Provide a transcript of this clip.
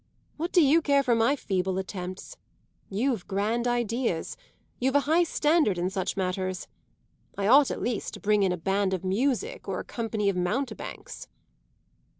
What do you care for my feeble attempts? You've grand ideas you've a high standard in such matters. I ought at least to bring in a band of music or a company of mountebanks."